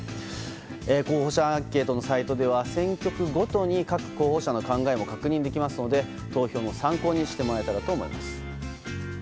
候補者アンケートのサイトでは選挙区ごとに各候補者の考えも確認できますので投票の参考にしてもらえたらと思います。